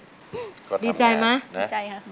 ดีใจไหมดีใจค่ะ